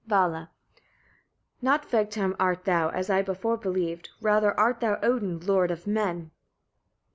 Vala. 18. "Not Vegtam art thou, as I before believed; rather art thou Odin, lord of men!"